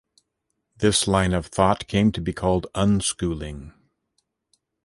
This line of thought came to be called unschooling.